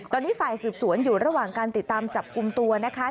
ตอนนี้ฝ่ายสืบสวนอยู่ระหว่างการติดตามจับกลุ่มตัวนะคะ